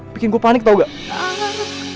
bikin gue panik tau gak